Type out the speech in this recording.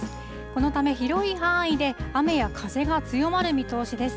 このため、広い範囲で雨や風が強まる見通しです。